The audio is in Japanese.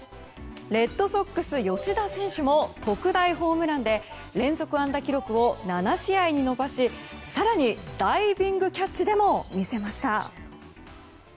レッドソックスの吉田選手も特大ホームランで連続安打記録を７試合に伸ばし更に、ダイビングキャッチでも魅せました。